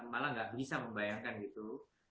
malah nggak bisa membayangkan gitu